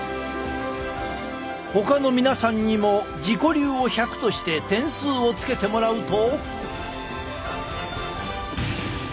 ほかの皆さんにも自己流を１００として点数をつけてもらうと。